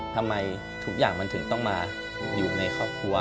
ทำไมทุกอย่างมันถึงต้องมาอยู่ในครอบครัว